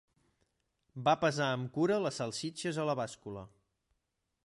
Va pesar amb cura les salsitxes a la bàscula.